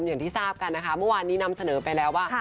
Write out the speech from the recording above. อย่างที่ทราบกันนะคะเมื่อวานนี้นำเสนอไปแล้วว่า